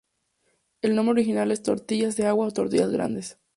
El nombre original es tortillas de agua o tortillas grandes.